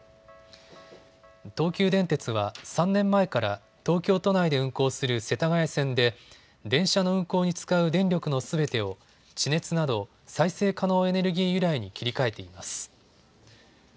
東急電鉄は３年前から東京都内で運行する世田谷線で電車の運行に使う電力のすべてを地熱など再生可能エネルギー由来に切り替えています。